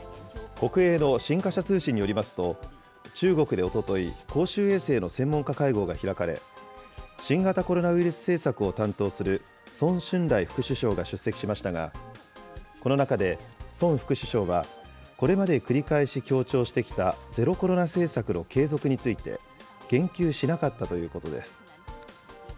国営の新華社通信によりますと、中国でおととい、公衆衛生の専門家会合が開かれ、新型コロナウイルス政策を担当する孫春蘭副首相が出席しましたが、この中で、孫副首相はこれまで繰り返し強調してきたゼロコロナ政策の継続について、言及しなかったということです。